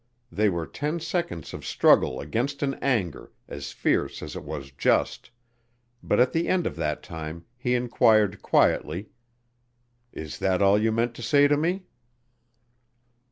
They were ten seconds of struggle against an anger as fierce as it was just, but at the end of that time he inquired quietly, "Is that all you meant to say to me?"